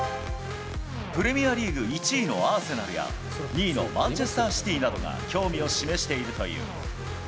プレミアリーグ１位のアーセナルや、２位のマンチェスター・シティなどが興味を示しているという。